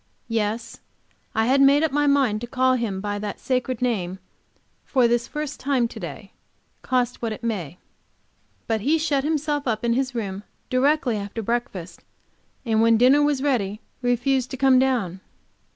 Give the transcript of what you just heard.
Yes, I had made up my mind to call him by that sacred name for the first time to day, cost what it may. But he shut himself up in his room directly after breakfast, and when dinner was ready refused to come down.